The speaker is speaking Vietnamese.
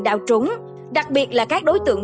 đạo trúng đặc biệt là các đối tượng